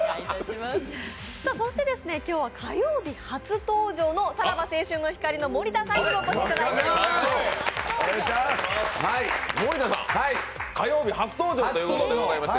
そして、今日は火曜日、初登場のさらば青春の光の森田さんにもお越しいただいています。